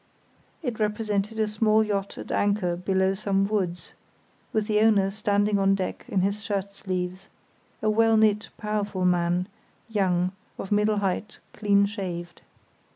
It represented a small yacht at anchor below some woods, with the owner standing on deck in his shirt sleeves: a well knit, powerful man, young, of middle height, clean shaved.